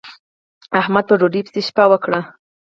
احمد په ډوډۍ پسې شپه وکړه.